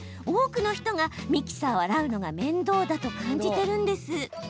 多くの人がミキサーを洗うのが面倒だと感じているんです。